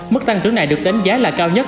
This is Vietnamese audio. mức tăng trưởng này được đánh giá là cao nhất